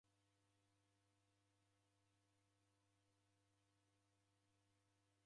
Mrongo iw'i na ikenda